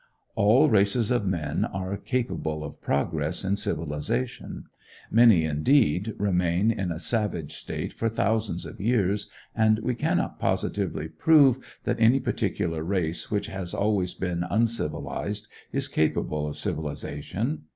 All races of men are capable of progress in civilization. Many, indeed, remain in a savage state for thousands of years, and we cannot positively prove that any particular race which has always been uncivilized is capable of civilization.